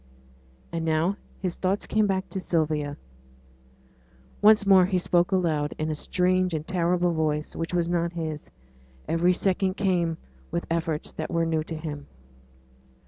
And now his thoughts came back to Sylvia. Once more he spoke aloud, in a strange and terrible voice, which was not his. Every sound came with efforts that were new to him.